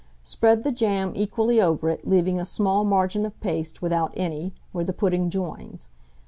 Spread the jam equally over it, leaving a small margin of paste without any, where the pudding joins.